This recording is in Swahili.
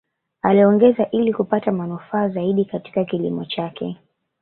Aliongeza ili kupata manufaa zaidi Katika kilimo chake